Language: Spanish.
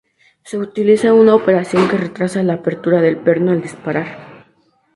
Se utiliza una operación que retrasa la apertura del perno al disparar.